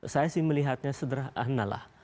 saya sih melihatnya sederhanalah